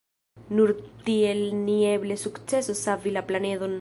Nur tiel ni eble sukcesos savi la planedon.